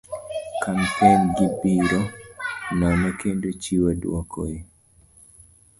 Kampen go biro nono kendo chiwo dwoko e